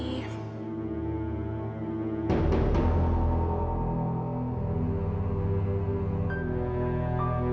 aku taruh kamu